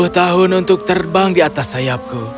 sepuluh tahun untuk terbang di atas sayapku